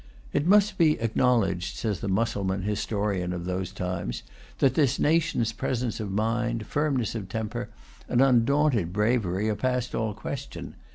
"It must be acknowledged," says the Mussulman historian of those times, "that this nation's presence of mind, firmness of temper, and undaunted bravery, are past all question.